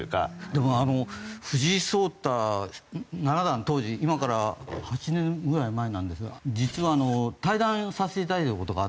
でも藤井聡太七段当時今から８年ぐらい前なんですが実は対談させて頂いた事があって。